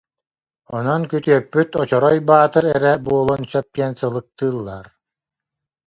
Онон күтүөппүт Очорой Баатыр эрэ буолуон сөп диэн сылыктыыллар